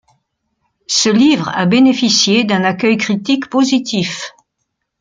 Ce livre a bénéficié d'un accueil critique positif.